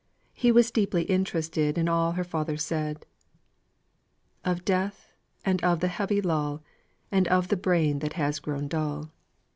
He was deeply interested in all her father said "Of death, and of the heavy lull, And of the brain that has grown dull."